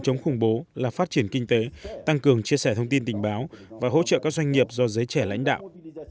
chống khủng bố là phát triển kinh tế tăng cường chia sẻ thông tin tình báo và hỗ trợ các doanh nghiệp do giới trẻ lãnh đạo